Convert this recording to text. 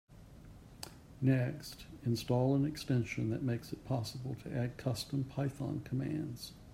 Next, install an extension that makes it possible to add custom Python commands.